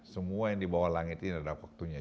semua yang di bawah langit ini ada waktunya